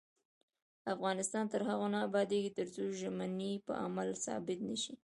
افغانستان تر هغو نه ابادیږي، ترڅو ژمنې په عمل ثابتې نشي.